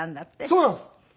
そうなんです。